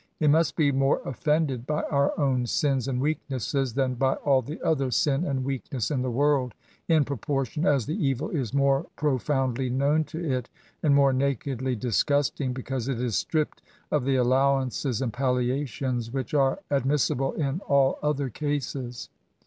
It must be more offended by our owii sini and weaknesses than by all the other sin and weakness in the worid, in proportion as the evil is more profoundly known to it, and more hakedly disgusting, beciause it is stripped of the allowances and palliations which ar6 admissible in all other cases.